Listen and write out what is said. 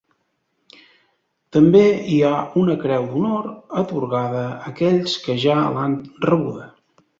També hi ha una Creu d'Honor, atorgada a aquells que ja l'han rebuda.